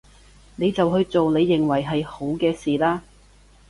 你就去做你認為係好嘅事啦